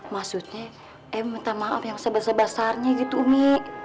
maksudnya eh minta maaf yang sebesar besarnya gitu umi